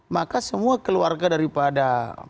maka semua keluarga dari pariwana